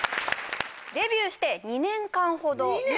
デビューして２年間ほど２年？